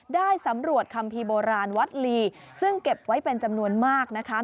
ได้สำรวจคัมภีร์โบราณวัดลีซึ่งเก็บไว้เป็นจำนวนมากนะคะ